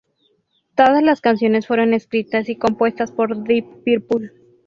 Todas las canciones fueron escritas y compuestas por Deep Purple.